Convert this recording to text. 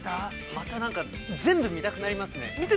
◆またなんか全部見たくなりますね。